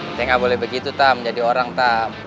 nte ga boleh begitu tam jadi orang tam